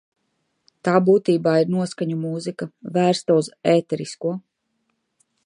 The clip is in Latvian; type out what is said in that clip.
Tā būtībā ir noskaņu mūzika, vērsta uz ēterisko.